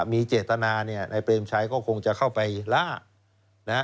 มีเจตนาในเปรมชัยก็คงจะเข้าไปล่า